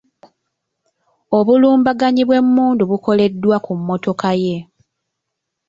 Obulumbaganyi bw’emmundu bukoleddwa ku mmotoka ye .